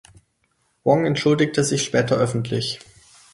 Wong entschuldigte sich später öffentlich.